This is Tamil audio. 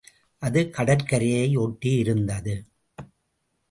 அது கடற்கரையை ஓட்டியிருந்தது.